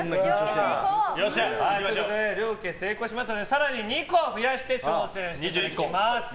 両家成功しましたので更に２個増やして挑戦していただきます。